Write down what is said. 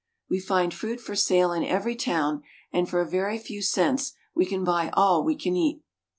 We find fruit for sale in every town, and for a very few cents we can buy all we can eat.